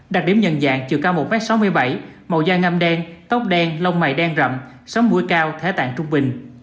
đặc điểm nhận dạng chiều cao một m sáu mươi bảy màu da hơi ngâm đen tóc đen lông mày đen rậm sống mũi cao thế tạng trung bình